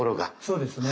そうですね。